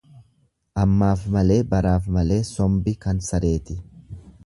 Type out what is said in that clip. Ammaaf malee baraaf malee sombi kan sareeti.